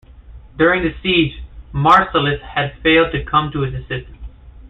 During the siege, Marcellus had failed to come to his assistance.